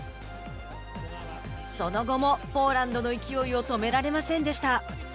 その後もポーランドの勢いを止められませんでした。